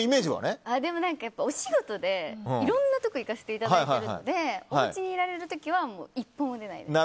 でも、お仕事でいろんなところに行かせていただいているのでおうちにいられる時は一歩も出ないです。